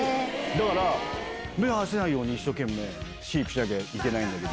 だから目合わせないように一生懸命飼育しなきゃいけない。